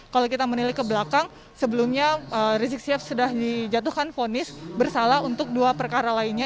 kalau kita menilik ke belakang sebelumnya rizik sihab sudah dijatuhkan fonis bersalah untuk dua perkara lainnya